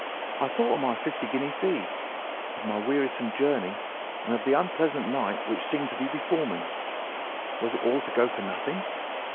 I thought of my fifty guinea fee, of my wearisome journey, and of the unpleasant night which seemed to be before me. Was it all to go for nothing?